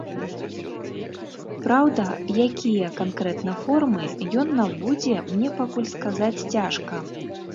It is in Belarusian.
Праўда, якія канкрэтна формы ён набудзе, мне пакуль сказаць цяжка.